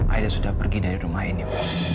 aida sudah pergi dari rumah ini ibu